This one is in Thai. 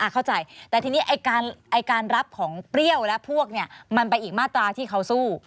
เข้าใจแต่ทีนี้การรับของเปรี้ยวและพวกมันไปอีกมาตราที่เขาสู้